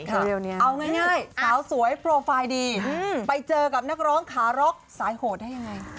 เอาง่ายสาวสวยโปรไฟล์ดีไปเจอกับนักร้องขาร็อกสายโหดได้ยังไง